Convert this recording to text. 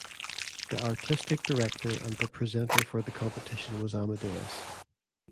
The artistic director and the presenter for the competition was Amadeus.